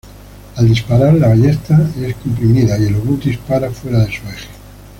Al disparar, la ballesta es comprimida y el obús dispara fuera de su eje.